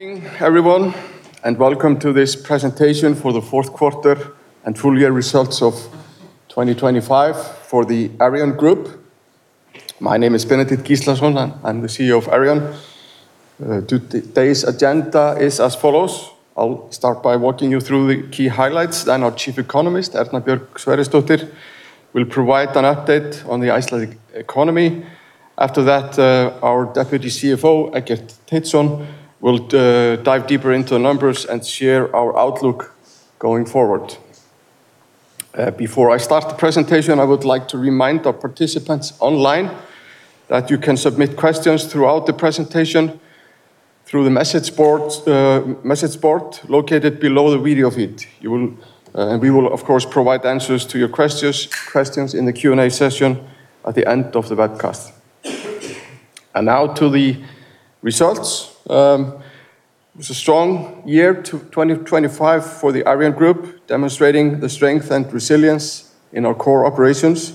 Good evening, everyone, and welcome to this presentation for the fourth quarter and full year results of 2025 for the Arion Group. My name is Benedikt Gíslason, and I'm the CEO of Arion. Today's agenda is as follows: I'll start by walking you through the key highlights, then our Chief Economist, Erna Björk Sverrisdóttir, will provide an update on the Icelandic economy. After that, our Deputy CFO, Eggert Teitsson, will dive deeper into the numbers and share our outlook going forward. Before I start the presentation, I would like to remind our participants online that you can submit questions throughout the presentation through the message board located below the video feed. You will and we will, of course, provide answers to your questions in the Q&A session at the end of the webcast. Now to the results. It was a strong year to 2025 for the Arion Group, demonstrating the strength and resilience in our core operations.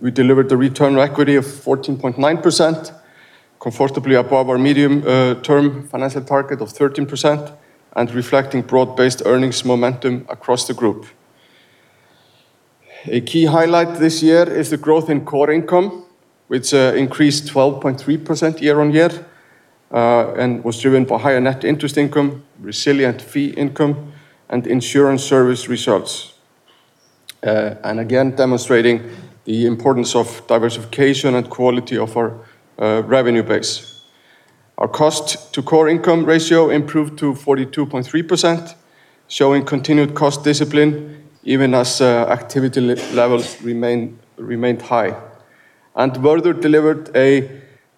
We delivered a return on equity of 14.9%, comfortably above our medium-term financial target of 13% and reflecting broad-based earnings momentum across the group. A key highlight this year is the growth in core income, which increased 12.3% year-on-year and was driven by higher net interest income, resilient fee income, and insurance service results. And again, demonstrating the importance of diversification and quality of our revenue base. Our cost to core income ratio improved to 42.3%, showing continued cost discipline, even as activity levels remained high, and further delivered a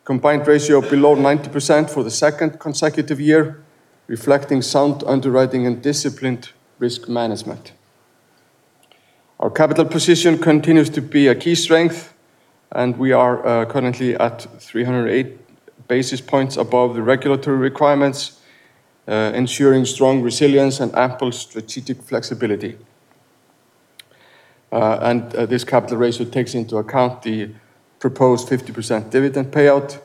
combined ratio below 90% for the second consecutive year, reflecting sound underwriting and disciplined risk management. Our capital position continues to be a key strength, and we are currently at 308 basis points above the regulatory requirements, ensuring strong resilience and ample strategic flexibility. This capital ratio takes into account the proposed 50% dividend payout,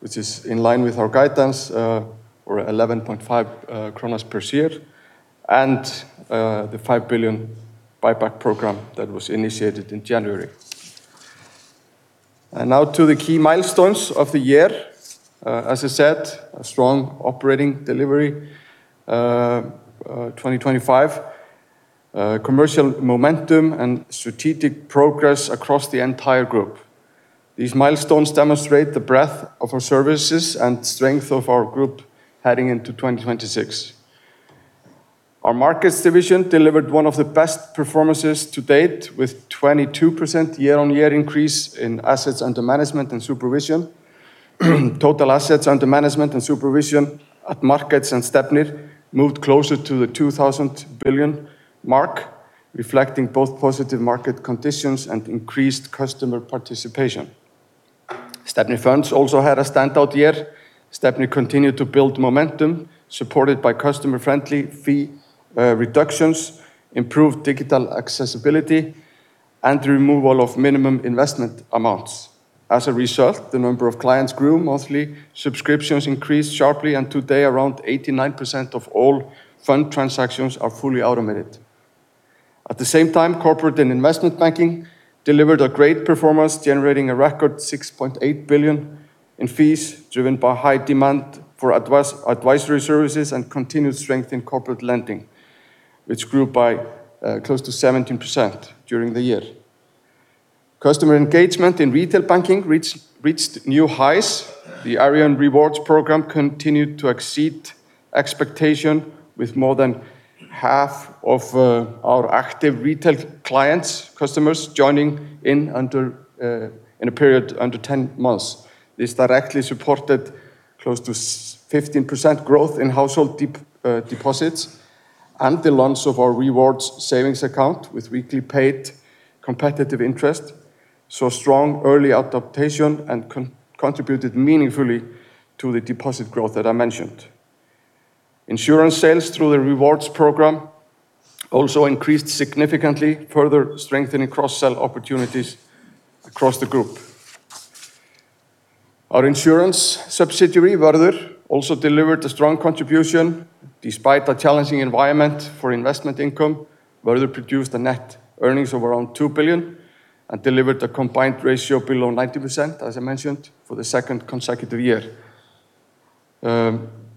which is in line with our guidance, or 11.5 kronur per share, and the 5 billion buyback program that was initiated in January. Now to the key milestones of the year. As I said, a strong operating delivery, 2025 commercial momentum and strategic progress across the entire group. These milestones demonstrate the breadth of our services and strength of our group heading into 2026. Our Markets division delivered one of the best performances to date, with 22% year-on-year increase in assets under management and supervision. Total assets under management and supervision at Markets and Stefnir moved closer to the 2,000 billion mark, reflecting both positive market conditions and increased customer participation. Stefnir Funds also had a standout year. Stefnir continued to build momentum, supported by customer-friendly fee reductions, improved digital accessibility, and the removal of minimum investment amounts. As a result, the number of clients grew monthly, subscriptions increased sharply, and today, around 89% of all fund transactions are fully automated. At the same time, corporate and investment banking delivered a great performance, generating a record 6.8 billion in fees, driven by high demand for advisory services and continued strength in corporate lending, which grew by close to 17% during the year. Customer engagement in retail banking reached new highs. The Arion Rewards program continued to exceed expectations, with more than half of our active retail customers joining in under 10 months. This directly supported close to 15% growth in household deposits, and the launch of our Rewards savings account, with weekly paid competitive interest, saw strong early adoption and contributed meaningfully to the deposit growth that I mentioned. Insurance sales through the rewards program also increased significantly, further strengthening cross-sell opportunities across the group. Our insurance subsidiary, Vörður, also delivered a strong contribution. Despite a challenging environment for investment income, Vörður produced a net earnings of around 2 billion and delivered a combined ratio below 90%, as I mentioned, for the second consecutive year.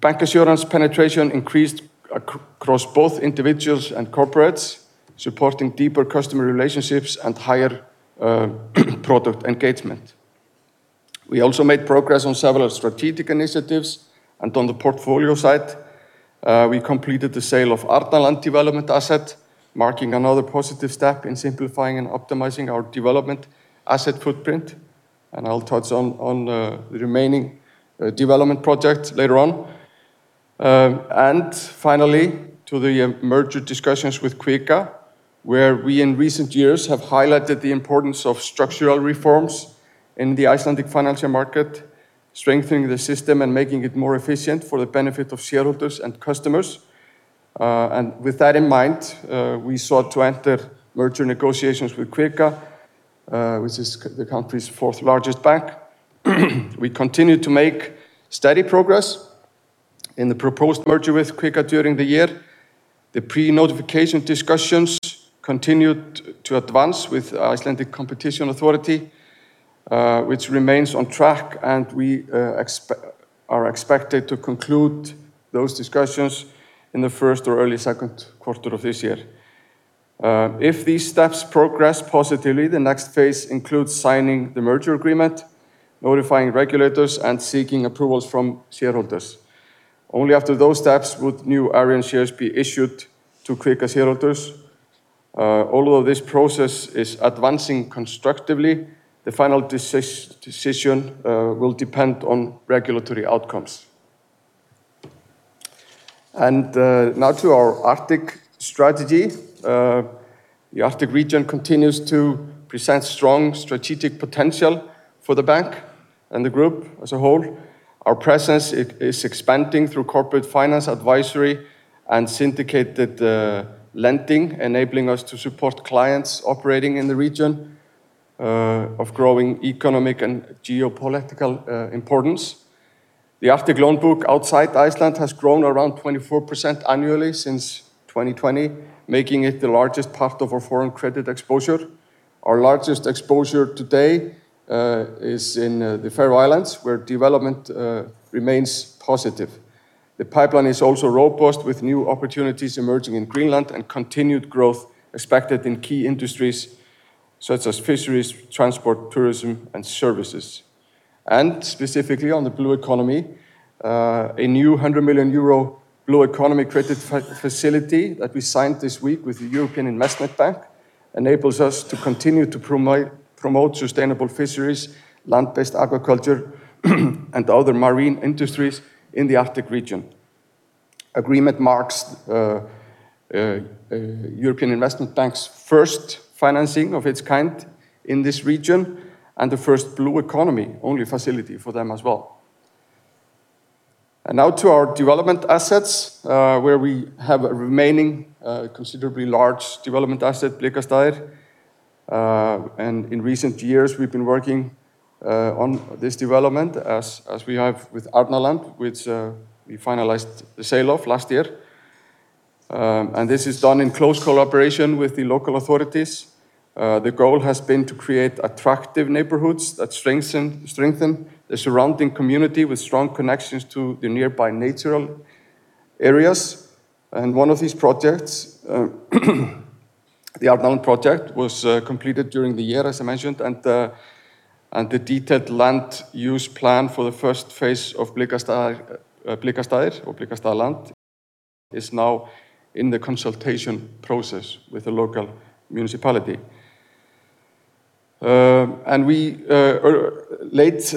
Bancassurance penetration increased across both individuals and corporates, supporting deeper customer relationships and higher product engagement. We also made progress on several strategic initiatives, and on the portfolio side, we completed the sale of Arnarland development asset, marking another positive step in simplifying and optimizing our development asset footprint, and I'll touch on the remaining development project later on. And finally, to the merger discussions with Kvika, where we, in recent years, have highlighted the importance of structural reforms in the Icelandic financial market, strengthening the system and making it more efficient for the benefit of shareholders and customers. And with that in mind, we sought to enter merger negotiations with Kvika, which is the country's fourth-largest bank. We continued to make steady progress in the proposed merger with Kvika during the year. The pre-notification discussions continued to advance with Icelandic Competition Authority, which remains on track, and we are expected to conclude those discussions in the first or early second quarter of this year. If these steps progress positively, the next phase includes signing the merger agreement, notifying regulators, and seeking approvals from shareholders. Only after those steps would new Arion shares be issued to Kvika shareholders. Although this process is advancing constructively, the final decision will depend on regulatory outcomes. Now to our Arctic strategy. The Arctic region continues to present strong strategic potential for the bank and the group as a whole. Our presence is expanding through corporate finance advisory and syndicated lending, enabling us to support clients operating in the region of growing economic and geopolitical importance. The Arctic loan book outside Iceland has grown around 24% annually since 2020, making it the largest part of our foreign credit exposure. Our largest exposure today is in the Faroe Islands, where development remains positive. The pipeline is also robust, with new opportunities emerging in Greenland and continued growth expected in key industries such as fisheries, transport, tourism, and services. Specifically on the Blue Economy, a new 100 million euro Blue Economy credit facility that we signed this week with the European Investment Bank enables us to continue to promote sustainable fisheries, land-based agriculture, and other marine industries in the Arctic region. Agreement marks European Investment Bank's first financing of its kind in this region and the first Blue Economy-only facility for them as well. Now to our development assets, where we have a remaining considerably large development asset, Blikastaðir. In recent years, we've been working on this development as we have with Arnarnes, which we finalized the sale of last year. This is done in close collaboration with the local authorities. The goal has been to create attractive neighborhoods that strengthen the surrounding community with strong connections to the nearby natural areas. And one of these projects, the Arnarnes project, was completed during the year, as I mentioned, and the detailed land use plan for the first phase of Blikastaðir or Blikastaðaland is now in the consultation process with the local municipality. And we late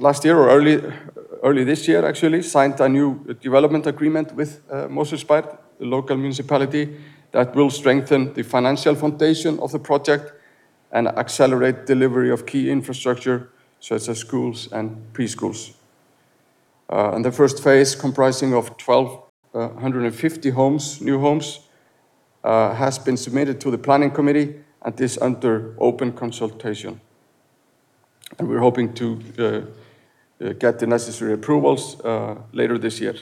last year or early this year, actually, signed a new development agreement with Mosfellsbær, the local municipality, that will strengthen the financial foundation of the project and accelerate delivery of key infrastructure, such as schools and preschools. And the first phase, comprising 1,250 new homes, has been submitted to the planning committee and is under open consultation. We're hoping to get the necessary approvals later this year.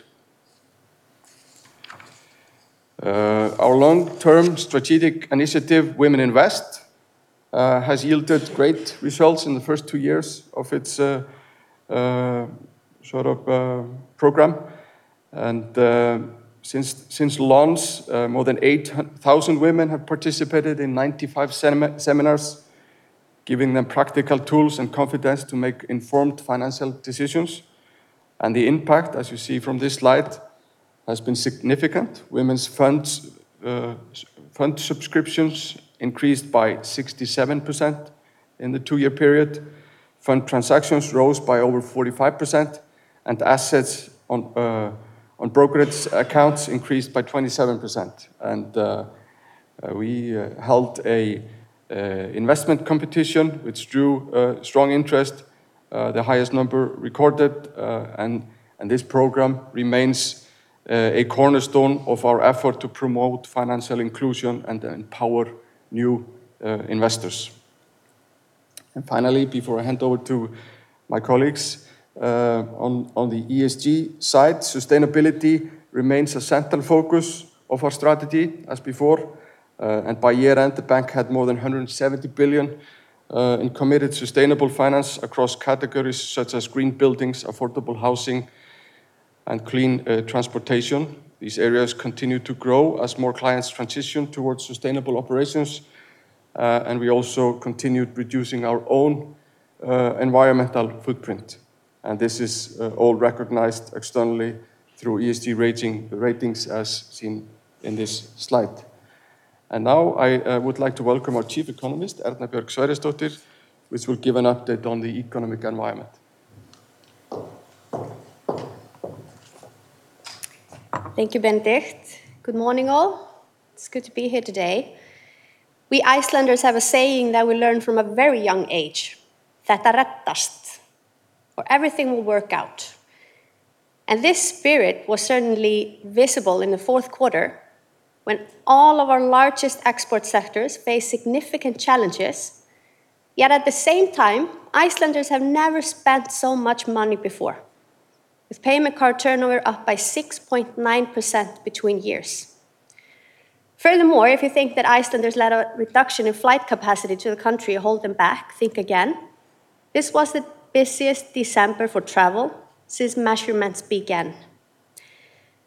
Our long-term strategic initiative, Women Invest, has yielded great results in the first 2 years of its sort of program. And since launch, more than 8,000 women have participated in 95 seminars, giving them practical tools and confidence to make informed financial decisions. And the impact, as you see from this slide, has been significant. Women's Fund subscriptions increased by 67% in the 2-year period. Fund transactions rose by over 45%, and assets on brokerage accounts increased by 27%. And we held an investment competition, which drew strong interest, the highest number recorded. And this program remains a cornerstone of our effort to promote financial inclusion and empower new investors. And finally, before I hand over to my colleagues, on the ESG side, sustainability remains a central focus of our strategy as before. And by year-end, the bank had more than 170 billion in committed sustainable finance across categories such as green buildings, affordable housing, and clean transportation. These areas continue to grow as more clients transition towards sustainable operations, and we also continued reducing our own environmental footprint. And this is all recognized externally through ESG ratings, as seen in this slide. And now I would like to welcome our Chief Economist, Erna Björk Sverrisdóttir, which will give an update on the economic environment. Thank you, Benedikt. Good morning, all. It's good to be here today. We Icelanders have a saying that we learn from a very young age: "Þetta reddast!"... or everything will work out. And this spirit was certainly visible in the fourth quarter, when all of our largest export sectors faced significant challenges. Yet at the same time, Icelanders have never spent so much money before, with payment card turnover up by 6.9% between years. Furthermore, if you think that Icelanders let a reduction in flight capacity to the country hold them back, think again. This was the busiest December for travel since measurements began.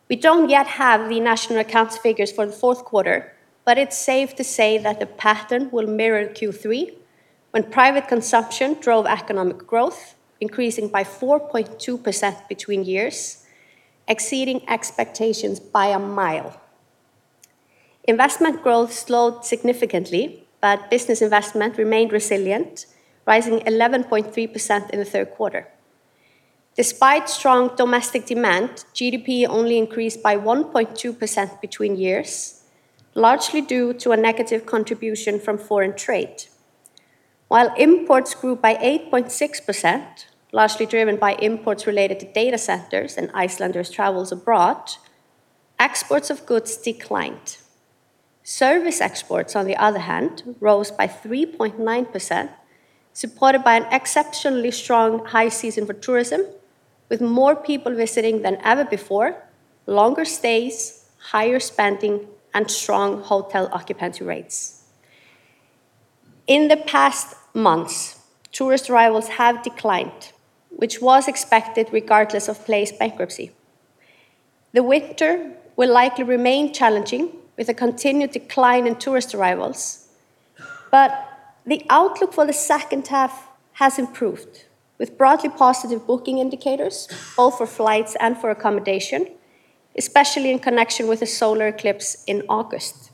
We don't yet have the national accounts figures for the fourth quarter, but it's safe to say that the pattern will mirror Q3, when private consumption drove economic growth, increasing by 4.2% between years, exceeding expectations by a mile. Investment growth slowed significantly, but business investment remained resilient, rising 11.3% in the third quarter. Despite strong domestic demand, GDP only increased by 1.2% between years, largely due to a negative contribution from foreign trade. While imports grew by 8.6%, largely driven by imports related to data centers and Icelanders' travels abroad, exports of goods declined. Service exports, on the other hand, rose by 3.9%, supported by an exceptionally strong high season for tourism, with more people visiting than ever before, longer stays, higher spending, and strong hotel occupancy rates. In the past months, tourist arrivals have declined, which was expected regardless of PLAY's bankruptcy. The winter will likely remain challenging, with a continued decline in tourist arrivals, but the outlook for the second half has improved, with broadly positive booking indicators, both for flights and for accommodation, especially in connection with the solar eclipse in August.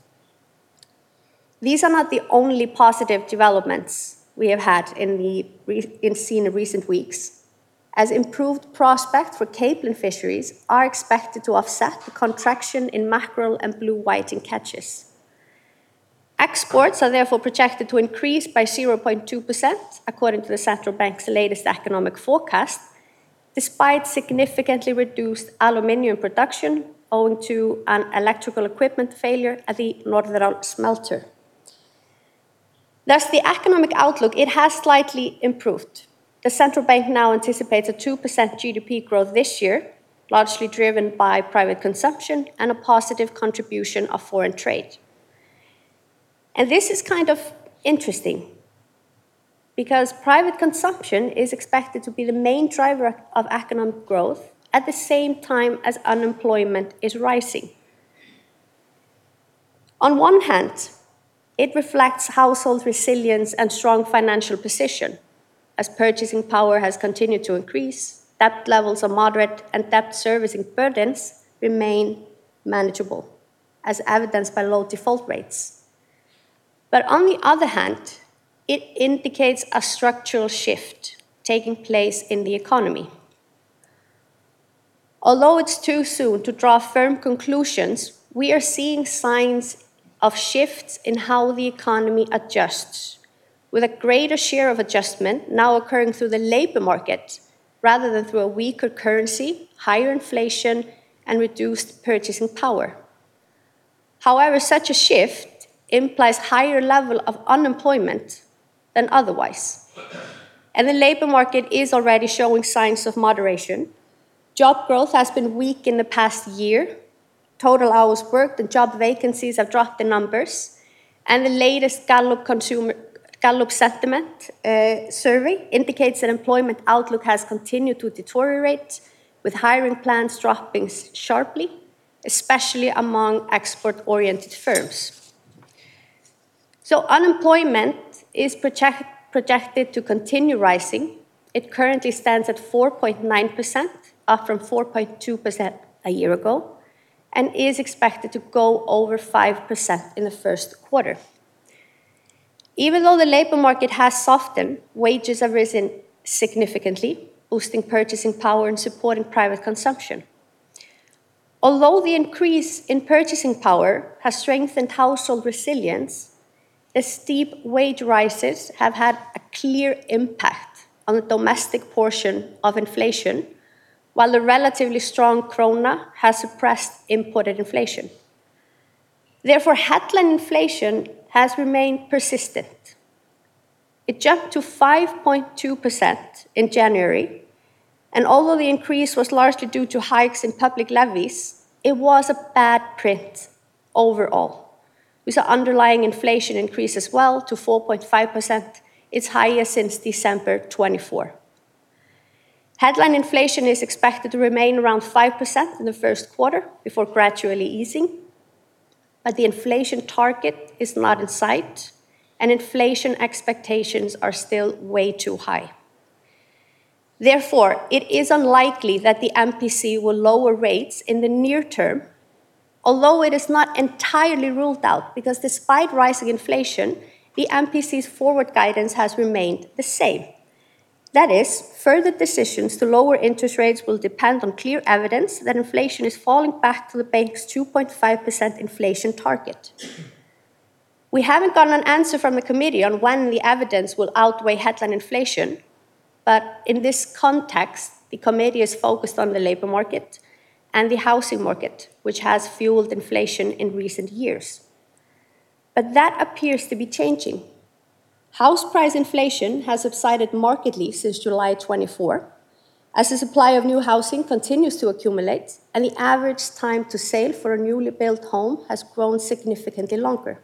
These are not the only positive developments we have had been seen in recent weeks, as improved prospects for capelin fisheries are expected to offset the contraction in mackerel and blue whiting catches. Exports are therefore projected to increase by 0.2%, according to the Central Bank's latest economic forecast, despite significantly reduced aluminum production, owing to an electrical equipment failure at the Norðurál smelter. Thus, the economic outlook, it has slightly improved. The Central Bank now anticipates a 2% GDP growth this year, largely driven by private consumption and a positive contribution of foreign trade. This is kind of interesting, because private consumption is expected to be the main driver of economic growth at the same time as unemployment is rising. On one hand, it reflects household resilience and strong financial position, as purchasing power has continued to increase, debt levels are moderate, and debt servicing burdens remain manageable, as evidenced by low default rates. But on the other hand, it indicates a structural shift taking place in the economy. Although it's too soon to draw firm conclusions, we are seeing signs of shifts in how the economy adjusts, with a greater share of adjustment now occurring through the labor market rather than through a weaker currency, higher inflation, and reduced purchasing power. However, such a shift implies higher level of unemployment than otherwise, and the labor market is already showing signs of moderation. Job growth has been weak in the past year. Total hours worked and job vacancies have dropped in numbers, and the latest Gallup consumer sentiment survey indicates that employment outlook has continued to deteriorate, with hiring plans dropping sharply, especially among export-oriented firms. So unemployment is projected to continue rising. It currently stands at 4.9%, up from 4.2% a year ago, and is expected to go over 5% in the first quarter. Even though the labor market has softened, wages have risen significantly, boosting purchasing power and supporting private consumption. Although the increase in purchasing power has strengthened household resilience, the steep wage rises have had a clear impact on the domestic portion of inflation, while the relatively strong krona has suppressed imported inflation. Therefore, headline inflation has remained persistent. It jumped to 5.2% in January, and although the increase was largely due to hikes in public levies, it was a bad print overall. We saw underlying inflation increase as well to 4.5%, its highest since December 2024. Headline inflation is expected to remain around 5% in the first quarter before gradually easing, but the inflation target is not in sight, and inflation expectations are still way too high. Therefore, it is unlikely that the MPC will lower rates in the near term, although it is not entirely ruled out, because despite rising inflation, the MPC's forward guidance has remained the same. That is, further decisions to lower interest rates will depend on clear evidence that inflation is falling back to the bank's 2.5% inflation target. We haven't gotten an answer from the committee on when the evidence will outweigh headline inflation, but in this context, the committee is focused on the labor market and the housing market, which has fueled inflation in recent years. But that appears to be changing. House price inflation has subsided markedly since July 2024, as the supply of new housing continues to accumulate, and the average time to sale for a newly built home has grown significantly longer.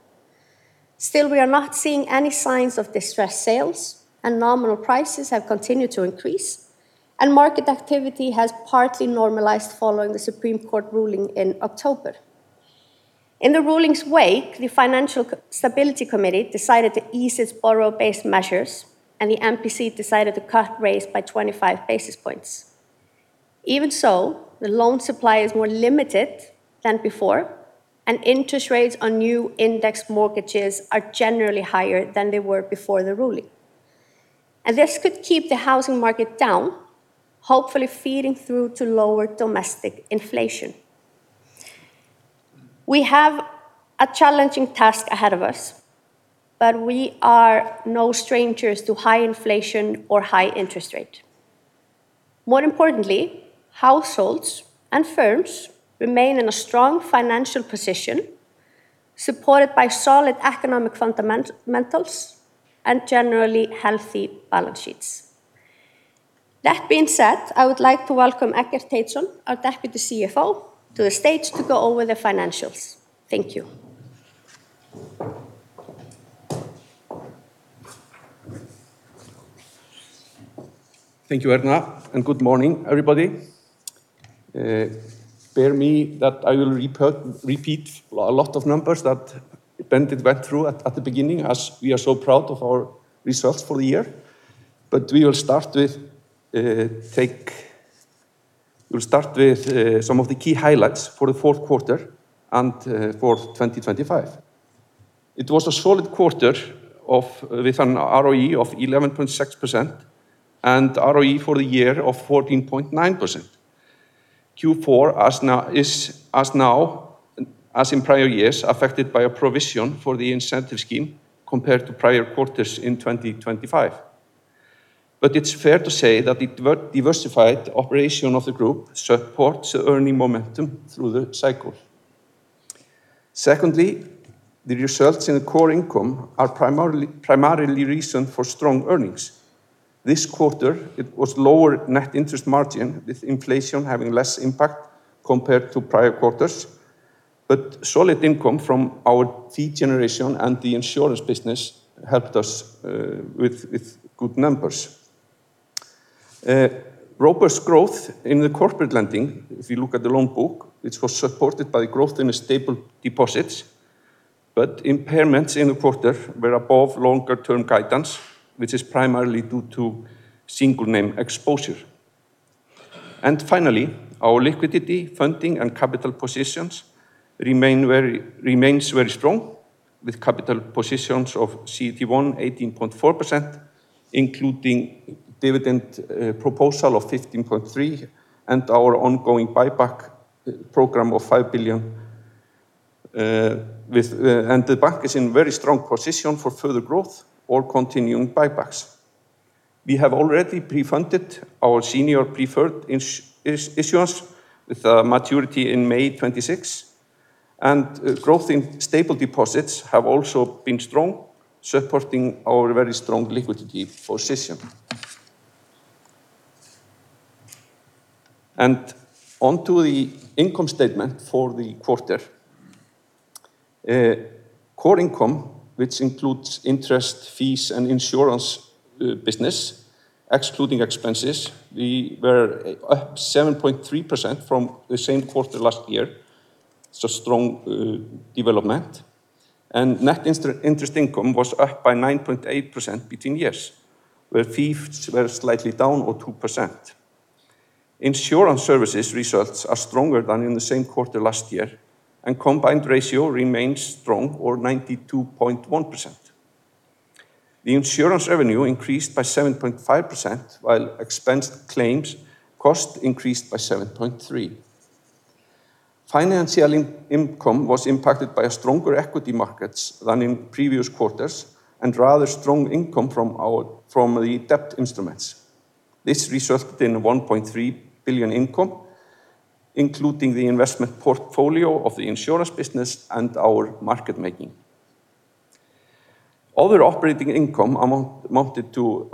Still, we are not seeing any signs of distressed sales, and nominal prices have continued to increase, and market activity has partly normalized following the Supreme Court ruling in October. In the ruling's wake, the Financial Stability Committee decided to ease its borrower-based measures, and the MPC decided to cut rates by 25 basis points. Even so, the loan supply is more limited than before, and interest rates on new indexed mortgages are generally higher than they were before the ruling. And this could keep the housing market down, hopefully feeding through to lower domestic inflation. We have a challenging task ahead of us, but we are no strangers to high inflation or high interest rate. More importantly, households and firms remain in a strong financial position, supported by solid economic fundamentals and generally healthy balance sheets. That being said, I would like to welcome Eggert Teitsson, our Deputy CFO, to the stage to go over the financials. Thank you. Thank you, Erna, and good morning, everybody. Bear with me that I will repeat a lot of numbers that Benedikt went through at the beginning, as we are so proud of our results for the year. But we will start with we'll start with some of the key highlights for the fourth quarter and for 2025. It was a solid quarter with an ROE of 11.6% and ROE for the year of 14.9%. Q4, as is now, as in prior years, affected by a provision for the incentive scheme compared to prior quarters in 2025. But it's fair to say that the diversified operation of the group supports the earning momentum through the cycle. Secondly, the results in the core income are primarily, primarily reason for strong earnings. This quarter, it was lower net interest margin, with inflation having less impact compared to prior quarters, but solid income from our fee generation and the insurance business helped us with good numbers. Robust growth in the corporate lending, if you look at the loan book, which was supported by the growth in the stable deposits, but impairments in the quarter were above longer-term guidance, which is primarily due to single name exposure. And finally, our liquidity, funding, and capital positions remain very strong, with capital positions of CET1 18.4%, including dividend proposal of 15.3, and our ongoing buyback program of 5 billion. And the bank is in very strong position for further growth or continuing buybacks. We have already pre-funded our senior preferred issuance, with a maturity in May 2026, and growth in stable deposits have also been strong, supporting our very strong liquidity position. Onto the income statement for the quarter. Core income, which includes interest, fees, and insurance business, excluding expenses, we were up 7.3% from the same quarter last year. So strong development. And net interest income was up by 9.8% between years, where fees were slightly down or 2%. Insurance services results are stronger than in the same quarter last year, and combined ratio remains strong at 92.1%. The insurance revenue increased by 7.5%, while expense claims cost increased by 7.3. Financial income was impacted by stronger equity markets than in previous quarters and rather strong income from our debt instruments. This resulted in 1.3 billion income, including the investment portfolio of the insurance business and our market making. Other operating income amounted to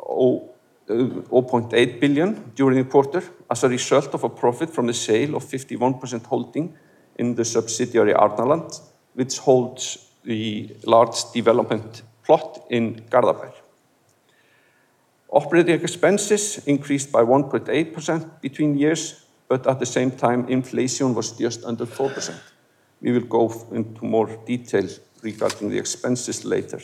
0.8 billion during the quarter as a result of a profit from the sale of 51% holding in the subsidiary Arnarland, which holds the large development plot in Garðabær. Operating expenses increased by 1.8% between years, but at the same time, inflation was just under 4%. We will go into more detail regarding the expenses later.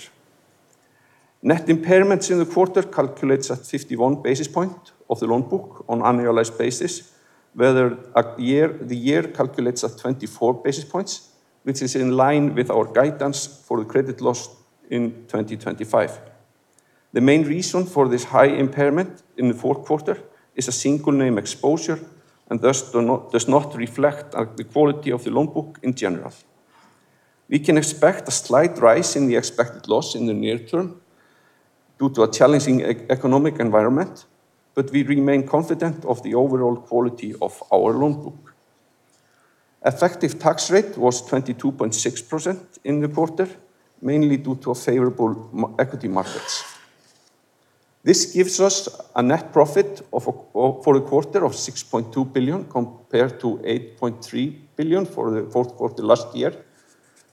Net impairments in the quarter calculates at 51 basis points of the loan book on annualized basis. The year calculates at 24 basis points, which is in line with our guidance for the credit loss in 2025. The main reason for this high impairment in the fourth quarter is a single name exposure, and thus does not reflect on the quality of the loan book in general. We can expect a slight rise in the expected loss in the near term due to a challenging economic environment, but we remain confident of the overall quality of our loan book. Effective tax rate was 22.6% in the quarter, mainly due to a favorable equity markets. This gives us a net profit of 6.2 billion for the quarter, compared to 8.3 billion for the fourth quarter last year,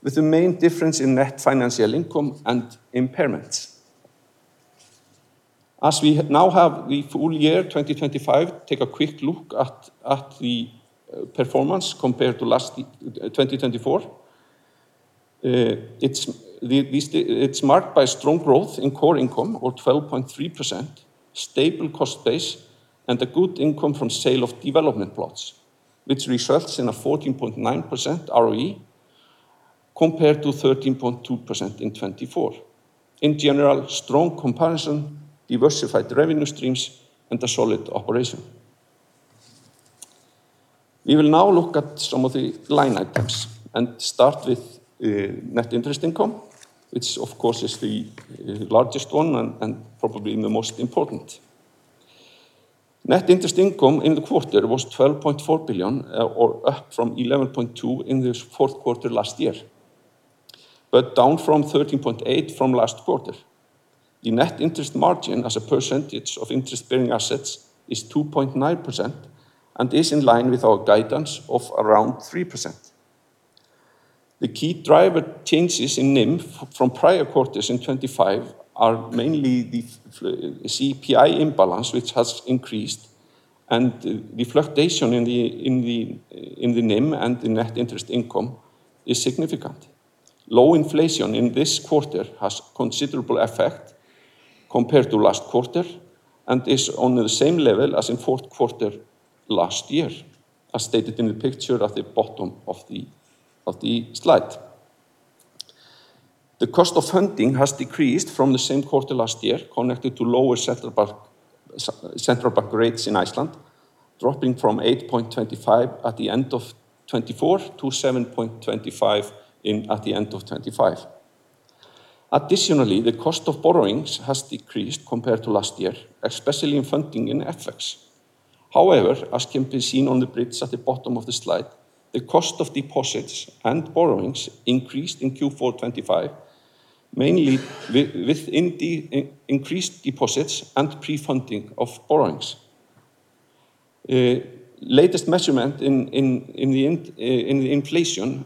with the main difference in net financial income and impairments. As we now have the full year 2025, take a quick look at the performance compared to last year 2024. It's marked by strong growth in core income of 12.3%, stable cost base, and a good income from sale of development plots, which results in a 14.9% ROE compared to 13.2% in 2024. In general, strong comparison, diversified revenue streams, and a solid operation. We will now look at some of the line items and start with net interest income, which of course is the largest one and probably the most important. Net interest income in the quarter was 12.4 billion, or up from 11.2 billion in the fourth quarter last year, but down from 13.8 billion from last quarter. The net interest margin as a percentage of interest-bearing assets is 2.9% and is in line with our guidance of around 3%. The key driver changes in NIM from prior quarters in 2025 are mainly the CPI imbalance, which has increased, and the fluctuation in the NIM and the net interest income is significant. Low inflation in this quarter has considerable effect compared to last quarter and is on the same level as in fourth quarter last year, as stated in the picture at the bottom of the slide. The cost of funding has decreased from the same quarter last year, connected to lower central bank rates in Iceland, dropping from 8.25 at the end of 2024 to 7.25 at the end of 2025. Additionally, the cost of borrowings has decreased compared to last year, especially in funding in FX. However, as can be seen on the bridge at the bottom of the slide, the cost of deposits and borrowings increased in Q4 2025, mainly with increased deposits and prefunding of borrowings. Latest measurement in the inflation,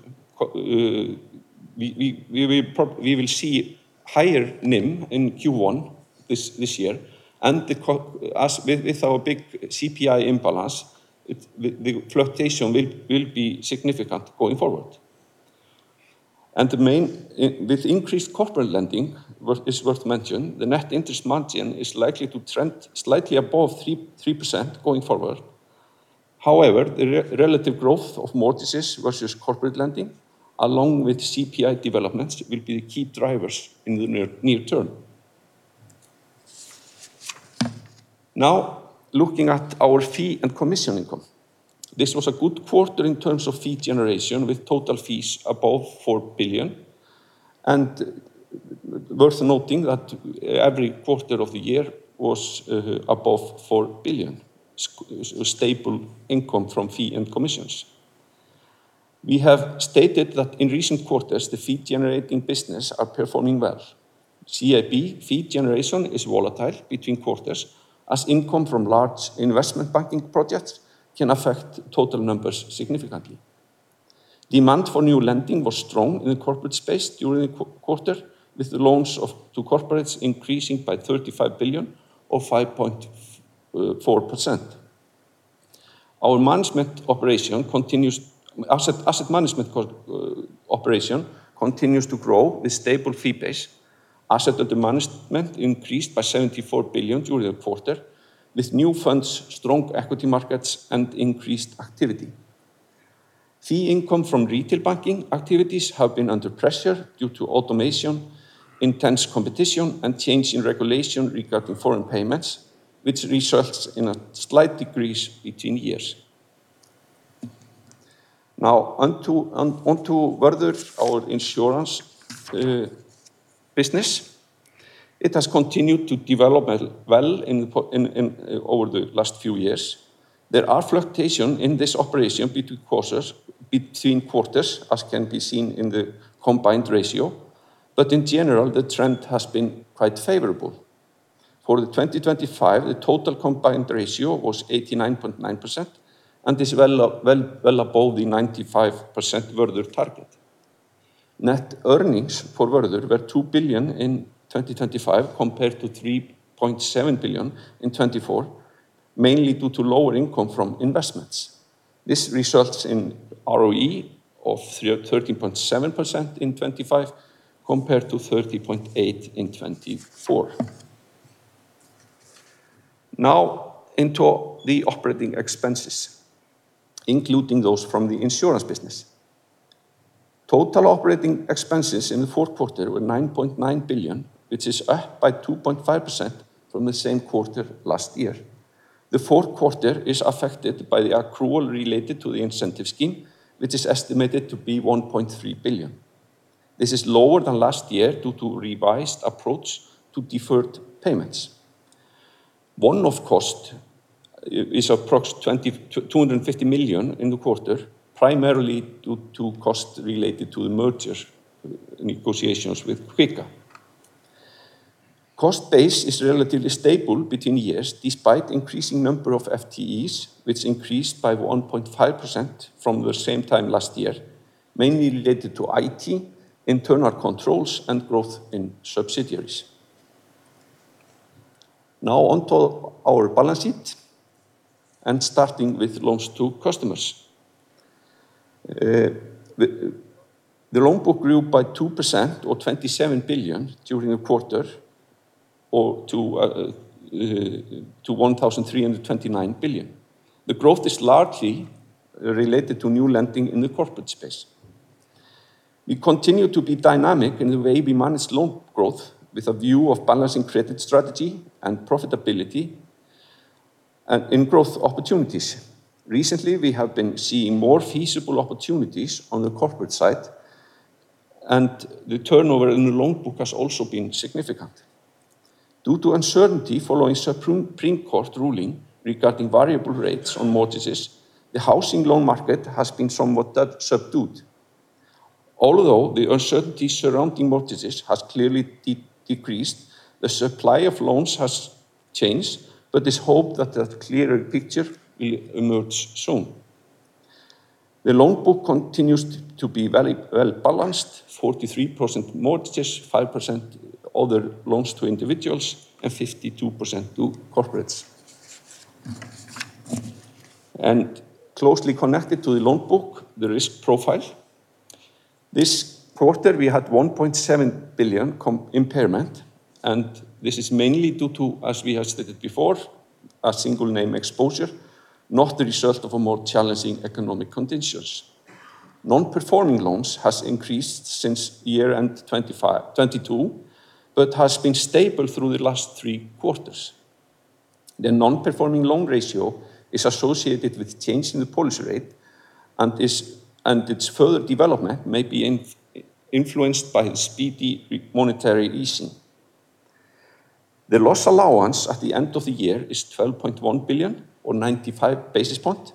we will see higher NIM in Q1 this year, and as with our big CPI imbalance, the fluctuation will be significant going forward. And mainly with increased corporate lending is worth mentioning, the net interest margin is likely to trend slightly above 3% going forward. However, the relative growth of mortgages versus corporate lending, along with CPI developments, will be the key drivers in the near term. Now, looking at our fee and commission income. This was a good quarter in terms of fee generation, with total fees above 4 billion. And worth noting that every quarter of the year was above 4 billion, stable income from fee and commissions. We have stated that in recent quarters, the fee-generating business are performing well. CIB fee generation is volatile between quarters, as income from large investment banking projects can affect total numbers significantly. Demand for new lending was strong in the corporate space during the quarter, with loans to corporates increasing by 35 billion or 5.4%. Our asset management operation continues to grow with stable fee base. Assets under management increased by 74 billion during the quarter, with new funds, strong equity markets, and increased activity. Fee income from retail banking activities have been under pressure due to automation, intense competition, and change in regulation regarding foreign payments, which results in a slight decrease between years. Now, onto Vörður, our insurance business. It has continued to develop well in the po... Over the last few years. There are fluctuations in this operation between quarters, as can be seen in the combined ratio, but in general, the trend has been quite favorable. For 2025, the total combined ratio was 89.9% and is well above the 95% Vörður target. Net earnings for Vörður were 2 billion in 2025, compared to 3.7 billion in 2024, mainly due to lower income from investments. This results in ROE of 13.7% in 2025, compared to 13.8% in 2024. Now into the operating expenses, including those from the insurance business. Total operating expenses in the fourth quarter were 9.9 billion, which is up by 2.5% from the same quarter last year. The fourth quarter is affected by the accrual related to the incentive scheme, which is estimated to be 1.3 billion. This is lower than last year due to revised approach to deferred payments. One-off cost is approximately 250 million in the quarter, primarily due to cost related to the merger negotiations with Kvika. Cost base is relatively stable between years, despite increasing number of FTEs, which increased by 1.5% from the same time last year, mainly related to IT, internal controls, and growth in subsidiaries. Now on to our balance sheet, and starting with loans to customers. The loan book grew by 2% or 27 billion during the quarter or to 1,329 billion. The growth is largely related to new lending in the corporate space. We continue to be dynamic in the way we manage loan growth, with a view of balancing credit strategy and profitability and in growth opportunities. Recently, we have been seeing more feasible opportunities on the corporate side, and the turnover in the loan book has also been significant. Due to uncertainty following Supreme Court ruling regarding variable rates on mortgages, the housing loan market has been somewhat subdued. Although the uncertainty surrounding mortgages has clearly decreased, the supply of loans has changed, but there's hope that a clearer picture will emerge soon. The loan book continues to be very well balanced: 43% mortgages, 5% other loans to individuals, and 52% to corporates. And closely connected to the loan book, the risk profile. This quarter, we had 1.7 billion impairment, and this is mainly due to, as we have stated before, a single name exposure, not the result of more challenging economic conditions. Non-performing loans has increased since year-end 2022, but has been stable through the last three quarters. The non-performing loan ratio is associated with change in the policy rate and and its further development may be influenced by the speedy monetary easing. The loss allowance at the end of the year is 12.1 billion or 95 basis point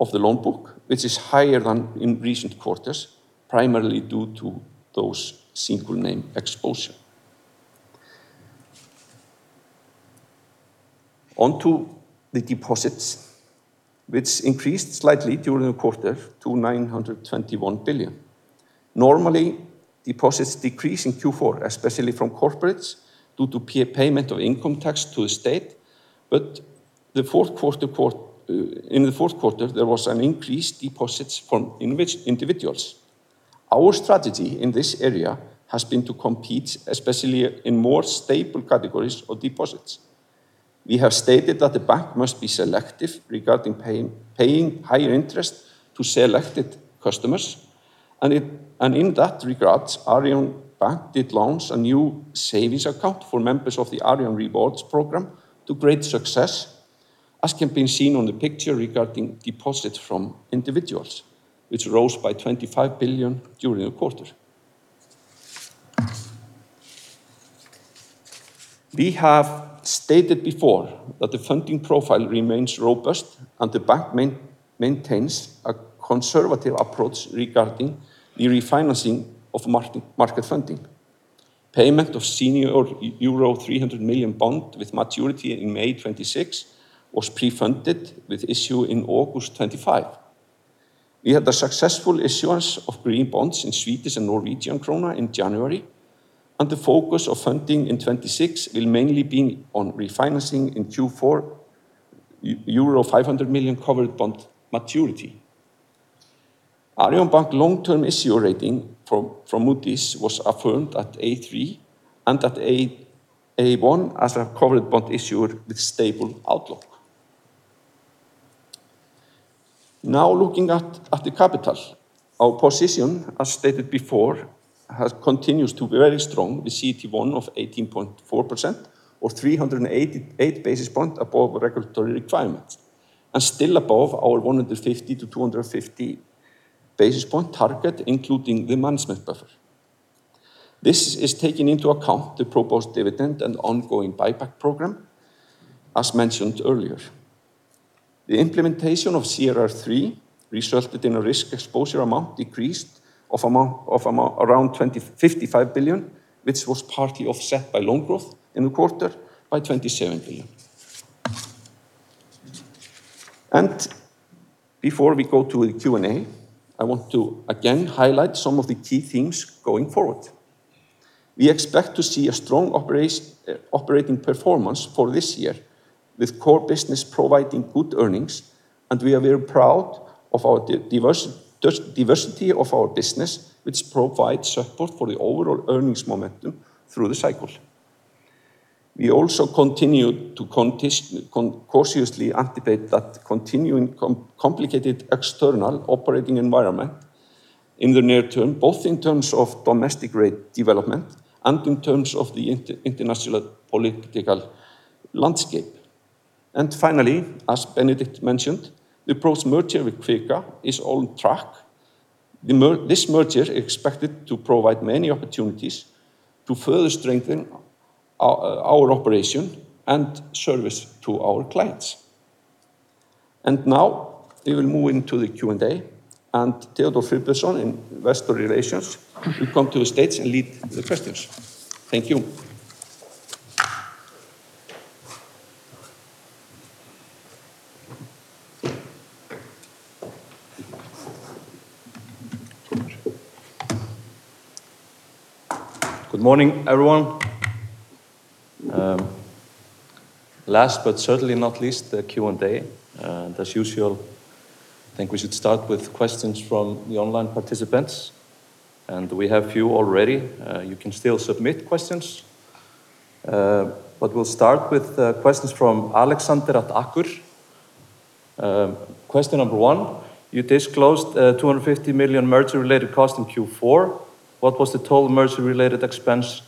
of the loan book, which is higher than in recent quarters, primarily due to those single name exposure. On to the deposits, which increased slightly during the quarter to 921 billion. Normally, deposits decrease in Q4, especially from corporates, due to payment of income tax to the state, but in the fourth quarter, there was an increased deposits from individuals. Our strategy in this area has been to compete, especially in more stable categories of deposits. We have stated that the bank must be selective regarding paying higher interest to selected customers, and in that regards, Arion Bank did launch a new savings account for members of the Arion Rewards program to great success, as can be seen on the picture regarding deposits from individuals, which rose by 25 billion during the quarter. We have stated before that the funding profile remains robust and the bank maintains a conservative approach regarding the refinancing of market funding. Payment of senior euro 300 million bond with maturity in May 2026 was pre-funded with issue in August 2025. We had a successful issuance of green bonds in Swedish and Norwegian krona in January, and the focus of funding in 2026 will mainly be on refinancing in Q4, euro 500 million covered bond maturity. Arion Bank long-term issuer rating from Moody's was affirmed at A3 and at A1 as a covered bond issuer with stable outlook. Now, looking at the capital. Our position, as stated before, has continues to be very strong, with CET1 of 18.4% or 388 basis points above regulatory requirements, and still above our 150-250 basis points target, including the management buffer. This is taking into account the proposed dividend and ongoing buyback program, as mentioned earlier. The implementation of CRR3 resulted in a risk exposure amount decreased around 55 billion ISK, which was partly offset by loan growth in the quarter by 27 billion ISK. Before we go to the Q&A, I want to again highlight some of the key things going forward. We expect to see a strong operating performance for this year, with core business providing good earnings. And we are very proud of our diversity of our business, which provides support for the overall earnings momentum through the cycle. We also continue to cautiously anticipate that continuing complicated external operating environment in the near term, both in terms of domestic rate development and in terms of the international political landscape. And finally, as Benedikt mentioned, the proposed merger with Kvika is on track. This merger is expected to provide many opportunities to further strengthen our operation and service to our clients. And now we will move into the Q&A, and Theodór Friðbertsson, Investor Relations, will come to the stage and lead the questions. Thank you. Good morning, everyone. Last, but certainly not least, the Q&A. As usual, I think we should start with questions from the online participants, and we have a few already. You can still submit questions. But we'll start with questions from Alexander at Akur. Question number one: You disclosed 250 million merger-related costs in Q4. What was the total merger-related expense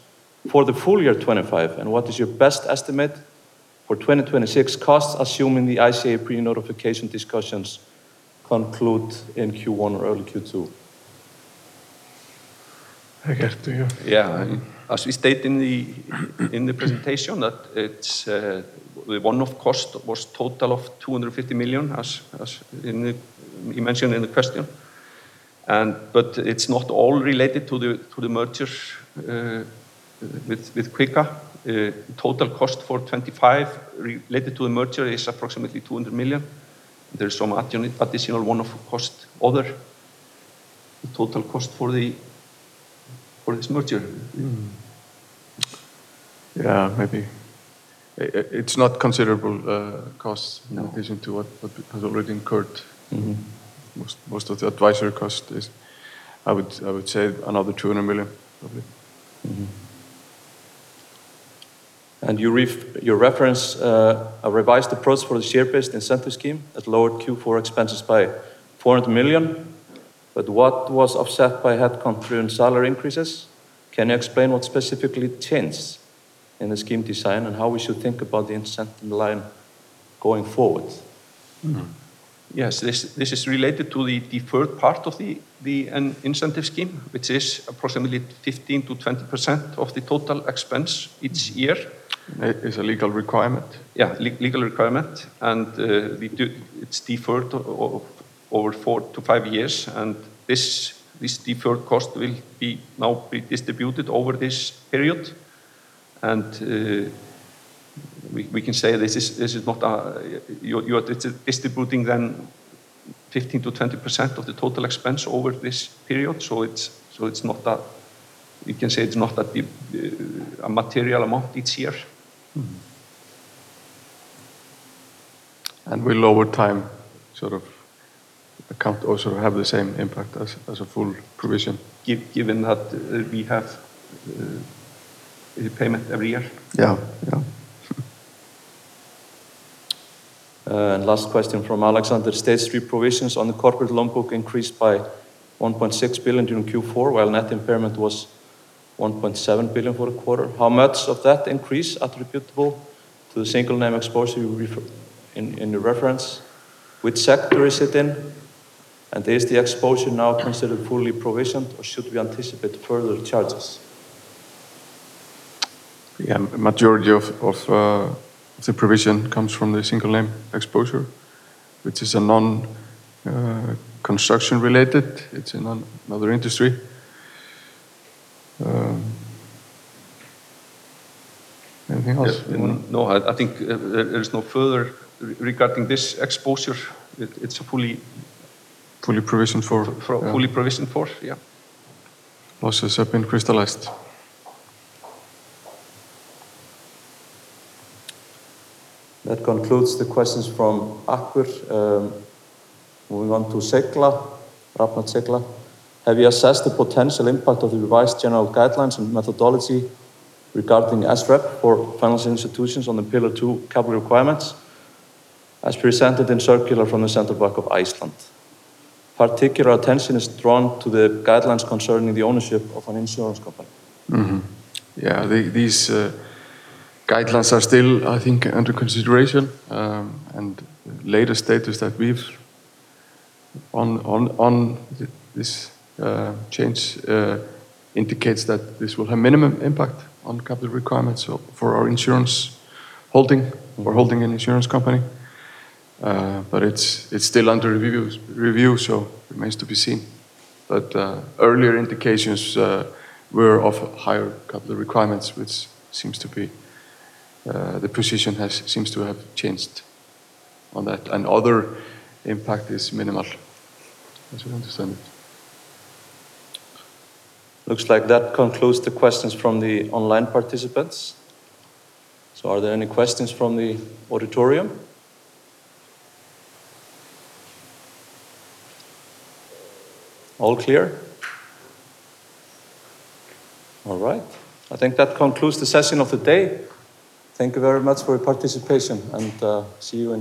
for the full year 2025, and what is your best estimate for 2026 costs, assuming the ICA pre-notification discussions conclude in Q1 or early Q2? I get to you. Yeah. As we stated in the presentation, that it's the one-off cost was total of 250 million, as he mentioned in the question. But it's not all related to the merger with Kvika. Total cost for 2025 related to the merger is approximately 200 million. There are some additional one-off cost other. The total cost for the, for this merger? Mm-hmm. Yeah, maybe. It's not considerable costs- No In addition to what has already incurred. Mm-hmm. Most of the advisory cost is, I would say, another 200 million, probably. Mm-hmm. And you reference a revised approach for the share-based incentive scheme that lowered Q4 expenses by 400 million, but what was offset by headcount through and salary increases? Can you explain what specifically changed in the scheme design, and how we should think about the incentive line going forward? Mm-hmm. Yes, this is related to the deferred part of the incentive scheme, which is approximately 15%-20% of the total expense each year. It is a legal requirement. Yeah, legal requirement, and we do. It's deferred over 4-5 years, and this, this deferred cost will be now be distributed over this period. We can say this is, this is not a... You're distributing then 15%-20% of the total expense over this period, so it's, so it's not a deep, a material amount each year. Mm-hmm. And will, over time, sort of account also have the same impact as a full provision. Given that, we have a payment every year. Yeah. Yeah. And last question from Alexander. Stage 3 provisions on the corporate loan book increased by 1.6 billion during Q4, while net impairment was 1.7 billion for the quarter. How much of that increase attributable to the single name exposure you referred to in the reference? Which sector is it in, and is the exposure now considered fully provisioned, or should we anticipate further charges? Yeah, majority of the provision comes from the single name exposure, which is a non construction related. It's in another industry. Anything else you wanna- No, I think there is no further regarding this exposure. It's fully- Fully provisioned for fully provisioned for, yeah. Losses have been crystallized. That concludes the questions from Akur. Moving on to Segla, Rafn at Segla: Have you assessed the potential impact of the revised general guidelines and methodology regarding SREP for financial institutions on the Pillar II capital requirements, as presented in circular from the Central Bank of Iceland? Particular attention is drawn to the guidelines concerning the ownership of an insurance company. Mm-hmm. Yeah, these guidelines are still, I think, under consideration. Latest status that we've on this change indicates that this will have minimum impact on capital requirements for our insurance holding. We're holding an insurance company, but it's still under review, so it remains to be seen. But earlier indications were of higher capital requirements, which seems to be the position seems to have changed on that, and other impact is minimal, as we understand it. Looks like that concludes the questions from the online participants. So are there any questions from the auditorium? All clear? All right. I think that concludes the session of the day. Thank you very much for your participation, and see you in June.